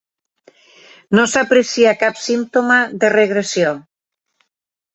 No s'aprecia cap símptoma de regressió.